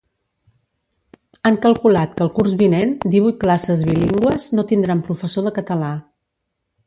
Han calculat que el curs vinent divuit classes bilingües no tindran professor de català.